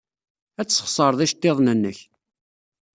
Ad tesxeṣred iceḍḍiḍen-nnek.